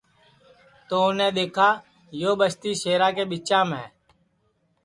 تو اُنیں دؔیکھا یو بستی سیرا کے ٻچام ہے